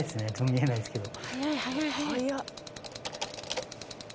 見えないんですけど。